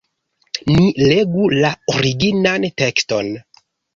Ni legu la originan tekston.